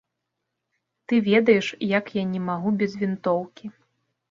Ты ведаеш, як я не магу без вінтоўкі.